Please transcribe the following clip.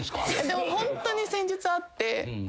でもホントに先日あって。